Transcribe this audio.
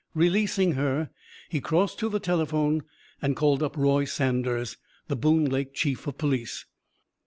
Releasing her, he crossed to the telephone and called up Roy Saunders, the Boone Lake chief of police.